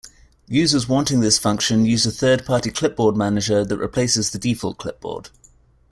Users wanting this function use a third-party clipboard manager that replaces the default clipboard.